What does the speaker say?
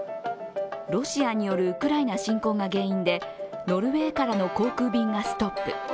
ロシアによるウクライナ侵攻が原因でノルウェーからの航空便がストップ。